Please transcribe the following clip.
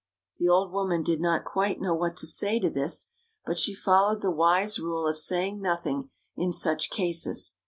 The old woman did not quite know what to say to this, but she followed the wise rule of saying nothing in such cases.